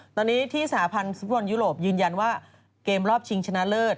ตอนนี้ที่สหพันธ์ฟุตบอลยุโรปยืนยันว่าเกมรอบชิงชนะเลิศ